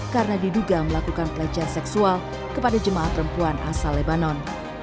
karena diduga melakukan pelecehan seksual kepada jemaah perempuan asal lebanon